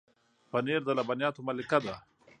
پنېر د لبنیاتو ملکه ده.